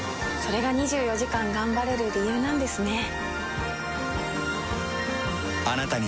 れが２４時間頑張れる理由なんですね。